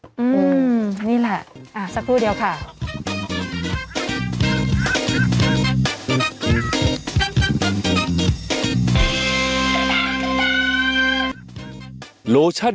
อืมนี่แหละสักครู่เดียวค่ะ